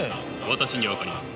私には分かります。